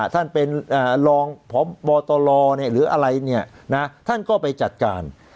ท่านเป็นรองผอมบตลอร์เนี่ยหรืออะไรเนี่ยนะท่านก็ไปจัดการ